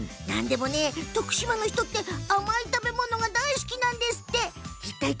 徳島の人って、甘い食べ物が大好きなんですって。